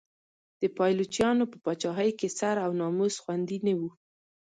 د پایلوچانو په پاچاهۍ کې سر او ناموس خوندي نه و.